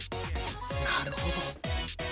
なるほど。